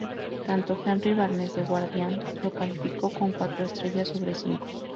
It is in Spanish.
Tanto Henry Barnes de "The Guardian" lo calificó con cuatro estrellas sobre cinco.